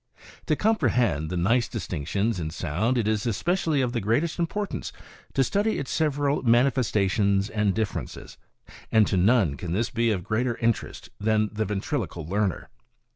To comprehend the nice distinctions in sound it is especially of the greatest importance to study its several manifestations and differences; and to none can this be of greater interest than the ventriloquial learner.